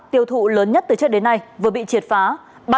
tiêu thụ lớn nhất từ trước đến nay vừa bị triệt phá